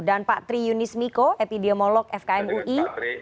dan pak tri yunis miko epidemiolog fkm ui